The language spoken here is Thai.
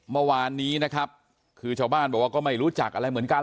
เมื่อวานนี้นะครับคือชาวบ้านบอกว่าก็ไม่รู้จักอะไรเหมือนกัน